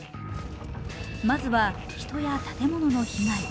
まずは、人や建物の被害。